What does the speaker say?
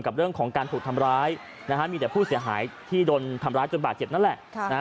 กับเรื่องของการถูกทำร้ายนะฮะมีแต่ผู้เสียหายที่โดนทำร้ายจนบาดเจ็บนั่นแหละ